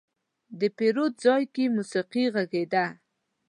د پیرود ځای کې موسيقي غږېده.